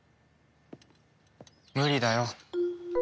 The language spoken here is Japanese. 無理だよ。